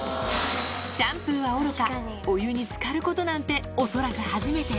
シャンプーはおろか、お湯につかることなんて恐らく初めて。